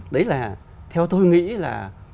đấy là theo tôi nghĩ là